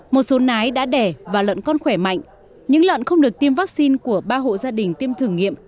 một số nái đã đẻ và lợn con khỏe mạnh những lợn không được tiêm vaccine của ba hộ gia đình tiêm thử nghiệm